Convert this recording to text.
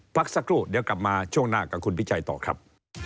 พักสักครู่เดี๋ยวกลับมาช่วงหน้ากับคุณพิชัยต่อครับ